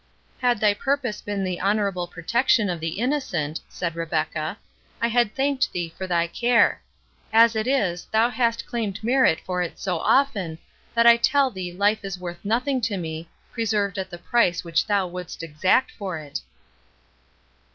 "Had thy purpose been the honourable protection of the innocent," said Rebecca, "I had thanked thee for thy care—as it is, thou hast claimed merit for it so often, that I tell thee life is worth nothing to me, preserved at the price which thou wouldst exact for it."